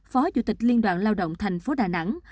phó chủ tịch liên đoàn lao động thành phố đà nẵng